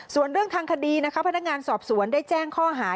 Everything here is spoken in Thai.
ส่วนเรื่องทางคดีนะคะพนักงานสอบสวนได้แจ้งข้อหา